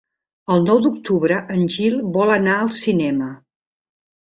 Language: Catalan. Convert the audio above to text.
El nou d'octubre en Gil vol anar al cinema.